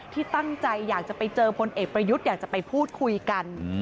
ที่ตั้งใจอยากจะไปเจอพลเอกประยุทธ์อยากจะไปพูดคุยกัน